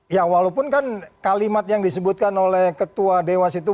ya walaupun kan kalimat yang disebutkan oleh ketua dewas itu